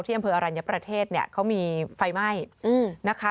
อำเภออรัญญประเทศเนี่ยเขามีไฟไหม้นะคะ